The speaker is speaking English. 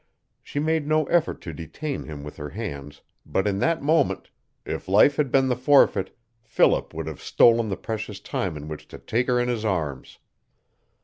She made no effort to detain him with her hands, but in that moment if life had been the forfeit Philip would have stolen the precious time in which to take her in his arms.